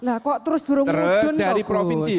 nah kok terus turun ke udun kok gus